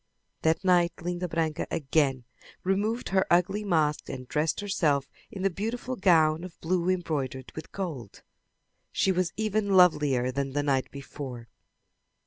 That night Linda Branca again removed her ugly mask and dressed herself in the beautiful gown of blue embroidered in gold. She was even lovelier than the night before.